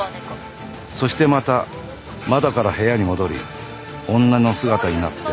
そしてまた窓から部屋に戻り女の姿になって部屋を荒らし。